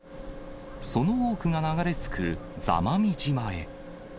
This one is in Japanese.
その多くが流れ着く座間味島へ。